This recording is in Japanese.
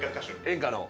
演歌の。